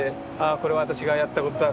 これは私がやったことだ